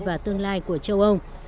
và tương lai của châu âu